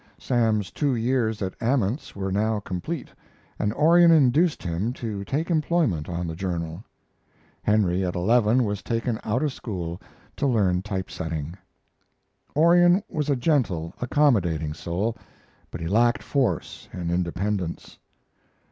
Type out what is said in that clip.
Sam's two years at Ament's were now complete, and Orion induced him to take employment on the Journal. Henry at eleven was taken out of school to learn typesetting. Orion was a gentle, accommodating soul, but he lacked force and independence.